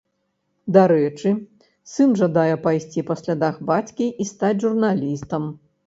Дарэчы, сын жадае пайсці па слядах бацькі і стаць журналістам.